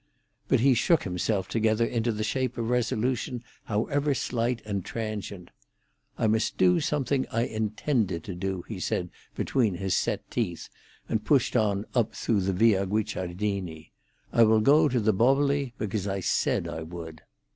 But he shook himself together into the shape of resolution, however slight and transient. "I must do something I intended to do," he said, between his set teeth, and pushed on up through the Via Guicciardini. "I will go to the Boboli because I said I would."